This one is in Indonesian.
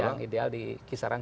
yang ideal dikisaran satu lima